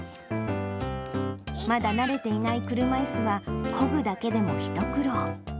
まだ慣れていない車いすは、こぐだけでも一苦労。